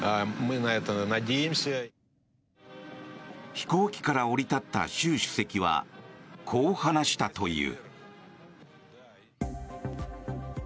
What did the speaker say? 飛行機から降り立った習主席はこう話したという。